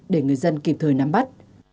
để người dân kịp thời nắm bắt